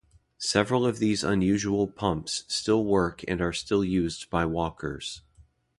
Several of these unusual pumps still work and are still used by walkers.